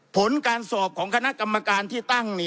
ผลการสอบของคณะกรรมการที่ตั้ง